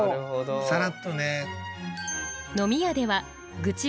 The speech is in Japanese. さらっとね。